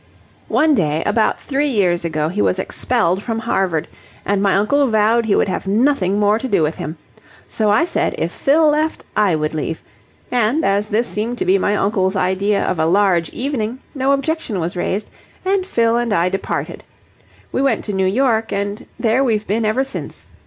One day, about three years ago, he was expelled from Harvard, and my uncle vowed he would have nothing more to do with him. So I said, if Fill left, I would leave. And, as this seemed to be my uncle's idea of a large evening, no objection was raised, and Fill and I departed. We went to New York, and there we've been ever since.